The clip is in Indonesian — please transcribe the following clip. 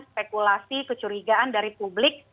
spekulasi kecurigaan dari publik